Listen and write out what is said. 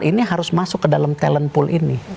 ini harus masuk ke dalam talent pool ini